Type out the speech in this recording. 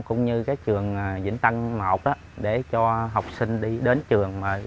cũng như cái trường vĩnh tân một đó để cho học sinh đi đến trường